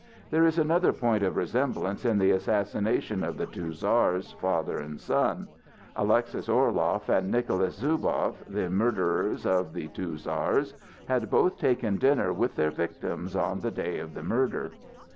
There is another point of resemblance in the assassination of the two Czars, father and son. Alexis Orloff and Nicholas Zubow, the murderers of the two Czars, had both taken dinner with their victims on the day of the murder.